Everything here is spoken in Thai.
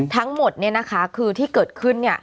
ทั้งหมดเนี่ยนะคะคือที่เกิดขึ้นเนี่ย